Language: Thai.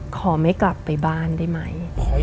ขอไม่กลับไปบ้านได้ไหม